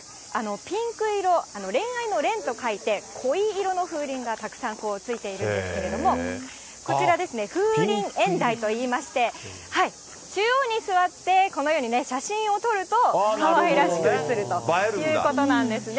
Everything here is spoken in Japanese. ピンク色、恋愛の恋と書いて、恋色の風鈴がたくさんついているんですけれども、こちらですね、風鈴縁台といいまして、中央に座って、このように写真を撮ると、かわいらしく写るということなんですね。